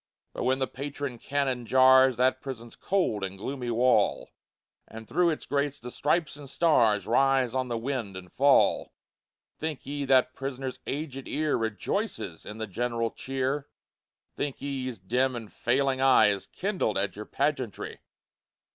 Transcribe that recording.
But when the patron cannon jars That prison's cold and gloomy wall, And through its grates the stripes and stars Rise on the wind, and fall, Think ye that prisoner's aged ear Rejoices in the general cheer? Think ye his dim and failing eye Is kindled at your pageantry?